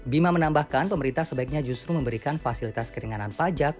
bima menambahkan pemerintah sebaiknya justru memberikan fasilitas keringanan pajak